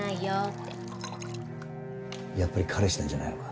やっぱり彼氏なんじゃないのか？